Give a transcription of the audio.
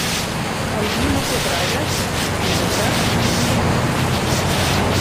El vi no té bragues, ni de drap ni de lli.